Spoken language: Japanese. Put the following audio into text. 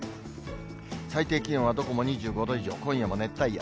最低気温はどこも２５度以上、今夜も熱帯夜。